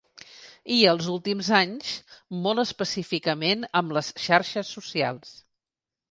I, els últims anys, molt específicament amb les xarxes socials.